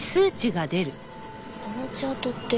あのチャートって。